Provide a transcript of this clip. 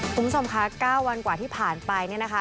คุณผู้ชมคะ๙วันกว่าที่ผ่านไปเนี่ยนะคะ